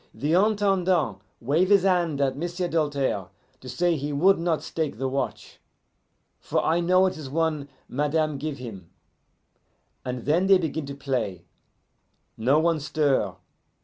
"The Intendant wave his hand at M'sieu' Doltaire to say he would not stake the watch, for I know it is one madame give him; and then they begin to play. No one stir.